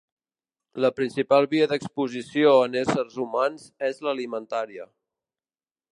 La principal via d'exposició en éssers humans és l'alimentària.